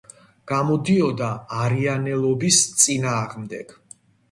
გამოდიოდა არიანელობის წინაარმდეგ.